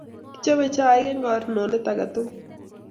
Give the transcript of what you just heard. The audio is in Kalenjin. Kichopei chaik eng karironet age tugul